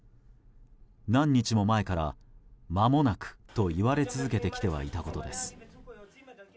何日も前から間もなくと言われ続けてはいたことです。